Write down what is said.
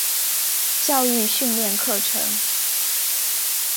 教育训练课程